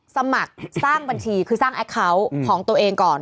สมัครสร้างบัญชีคือสร้างแอคเคาน์ของตัวเองก่อน